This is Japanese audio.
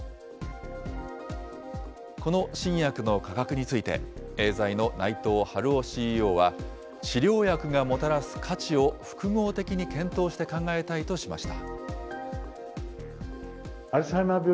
この新薬の価格について、エーザイの内藤晴夫ＣＥＯは、治療薬がもたらす価値を複合的に検討して考えたいとしました。